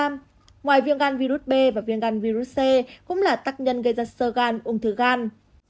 ngoài viêm gan virus b và viêm gan virus c cũng là tác nhân gây ra sơ gan ung thư gan